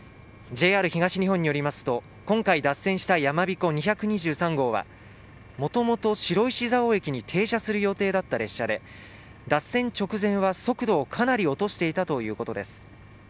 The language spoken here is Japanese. ＪＲ東日本によりますと今回脱線した「やまびこ２２３号」はもともと白石蔵王駅に停車する予定だった列車で脱線直前は速度をかなり落としていたということです。